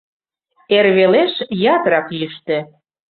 Эр велеш ятырак йӱштӧ.